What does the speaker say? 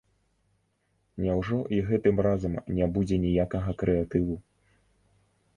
Няўжо і гэтым разам не будзе ніякага крэатыву?